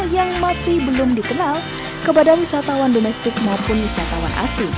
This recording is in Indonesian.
yang masih belum dikenal kepada wisatawan domestik maupun wisatawan asing